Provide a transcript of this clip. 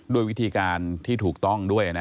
โดยวิธีการที่ถูกต้องด้วย